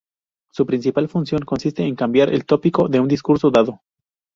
Su principal función consiste en cambiar el tópico de un discurso dado.